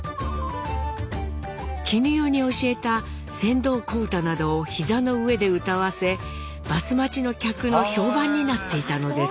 絹代に教えた「船頭小唄」などを膝の上で歌わせバス待ちの客の評判になっていたのです。